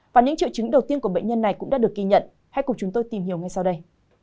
và những triệu chứng đầu tiên của bệnh nhân này cũng đã được ghi nhận hãy cùng chúng tôi tìm hiểu ngay sau đây